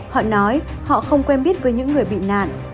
họ nói họ không quen biết với những người bị nạn